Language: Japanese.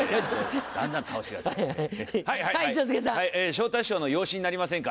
昇太師匠の養子になりませんか？